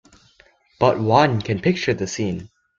But one can picture the scene.